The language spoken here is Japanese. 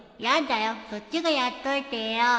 そっちがやっといてよ